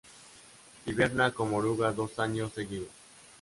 Hiberna como oruga dos años seguidos.